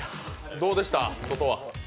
どうでした、外は？